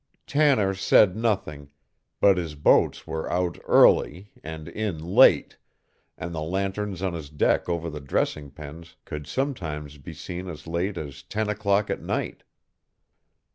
Tanner said nothing, but his boats were out early and in late, and the lanterns on his deck over the dressing pens could sometimes be seen as late as ten o'clock at night.